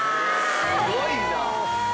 すごいな！